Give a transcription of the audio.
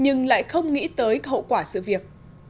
nhưng lại không nghĩ tới hậu quả sự việc